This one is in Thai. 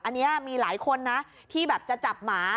อันนี้มีหลายคนนะที่แบบจะจับหมา